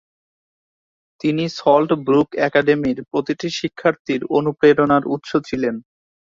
তিনি Salt Brook একাডেমির প্রতিটি শিক্ষার্থীর অনুপ্রেরণার উৎস ছিলেন।